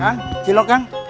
hah cilok kan